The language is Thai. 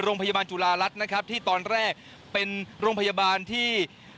โรงพยาบาลจุฬารัฐนะครับที่ตอนแรกเป็นโรงพยาบาลที่